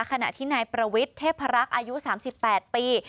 ขณะที่นายประวิทเทพรักษ์อายุสามสิบแปดปี